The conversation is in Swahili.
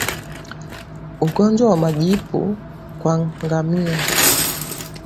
Ugonjwa wa majipu kwa Ngamia